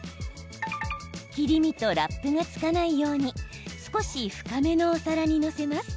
切り身とラップがつかないように少し深めのお皿に載せます。